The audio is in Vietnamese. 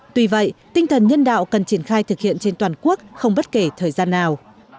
tuy vậy tinh thần nhân đạo cần triển khai thực hiện trên toàn quốc không bất kể thời gian nào